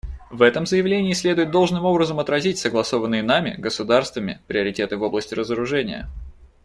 В этом заявлении следует должным образом отразить согласованными нами, государствами, приоритеты в области разоружения.